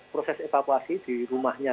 proses evakuasi di rumahnya